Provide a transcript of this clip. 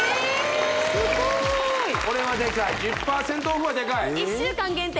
すごいこれはでかい１０％オフはでかい１週間限定